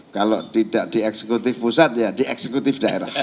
kalau tidak di eksekutif pusat ya di eksekutif daerah